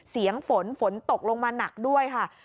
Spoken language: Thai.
เสียงฝนฝนตกลงมาหนักด้วยค่ะ